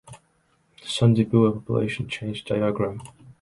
Sondipuwa population change diagram